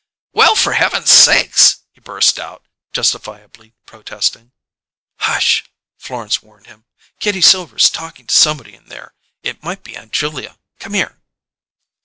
"Well, for Heavenses' sakes!" he burst out, justifiably protesting. "Hush!" Florence warned him. "Kitty Silver's talkin' to somebody in there. It might be Aunt Julia! C'm'ere!"